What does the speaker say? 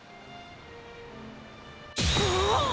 うわあっ！